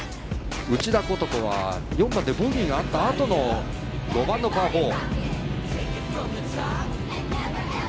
内田ことこは４番でボギーがあったあとの５番のパー４。